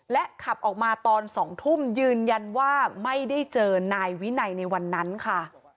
ขับออกมาตอน๒ทุ่มยืนยันว่าไม่ได้เจอนายวินัยในวันนั้นค่ะ